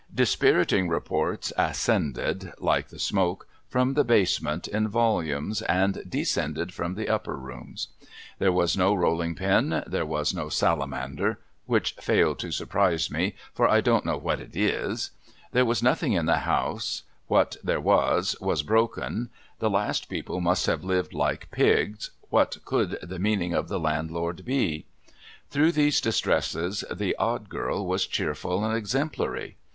Dispiriting reports ascended (like the smoke) from the basement in volumes, and descended from the upper rooms. There was no rolling pin, there was no salamander (which failed to surprise me, for I don't know what it is), there was nothing in the house, w^hat there was, was broken, the last people must have lived like pigs, what could the meaning of the landlord be ? Through these distresses, the Odd Girl was cheerful and exemplary.